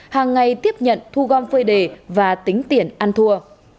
hàng ngày tiếp nhận thu gom phơi đề và tính tiền ăn thua